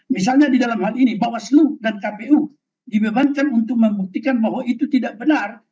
misalnya di dalam hal ini bawaslu dan kpu dibebankan untuk membuktikan bahwa itu tidak benar